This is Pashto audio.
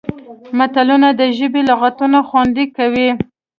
متلونه د ژبې لغتونه خوندي کوي